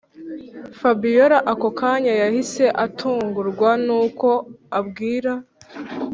fabiora ako kanya yahise atungurwa nuko abwira